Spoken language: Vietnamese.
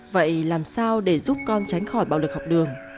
vậy làm sao để giúp con tránh khỏi bạo lực học đường